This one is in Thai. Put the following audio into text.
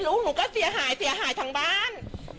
ลูกหนูก็เสียหายทางบ้าน